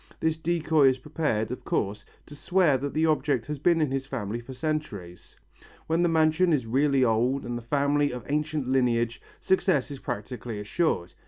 This decoy is prepared, of course, to swear that the object has been in his family for centuries. When the mansion is really old and the family of ancient lineage, success is practically assured.